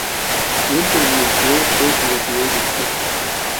Wintermute wrote verses at the age of ten.